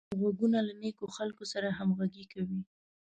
غوږونه له نېکو خلکو سره همغږي کوي